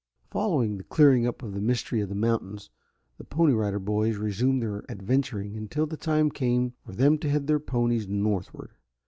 Following the clearing up of the mystery of the mountains, the Pony Rider Boys resumed their adventuring until the time came for them to head their ponies northward.